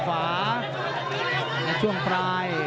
ขวาในช่วงปลาย